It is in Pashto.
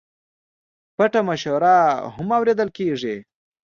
پټه مشوره هم اورېدل کېږي.